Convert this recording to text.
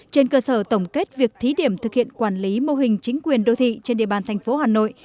trên cơ sở tổng kết việc thí điểm thực hiện quản lý mô hình chính quyền đô thị trên địa bàn thành phố hà nội